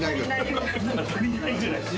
足りないぐらい。